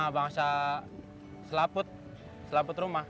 bangsa selaput selaput rumah